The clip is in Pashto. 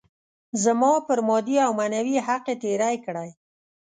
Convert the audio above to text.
زما پر مادي او معنوي حق يې تېری کړی.